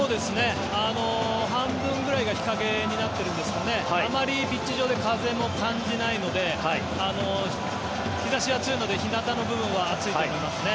半分ぐらいが日陰になってるんですがあまりピッチ上で風も感じないので日差しが強いので日なたの部分は暑いと思いますね。